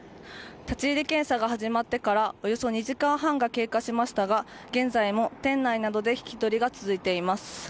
立ち入り検査が始まってからおよそ２時間半が経過しましたが現在も店内などで聞き取りが続いています。